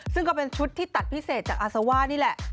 ซึ่งก็เป็นชุดที่ตัดพิเศษจากอาซาว่านี่แหละ